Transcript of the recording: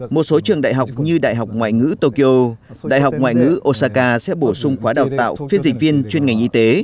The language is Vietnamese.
một số trường đại học như đại học ngoại ngữ tokyo đại học ngoại ngữ osaka sẽ bổ sung khóa đào tạo phiên dịch viên chuyên ngành y tế